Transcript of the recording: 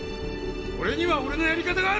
俺には俺のやり方がある！